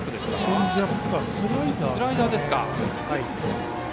チェンジアップかスライダーですかね。